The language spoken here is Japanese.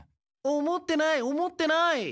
思ってない思ってない！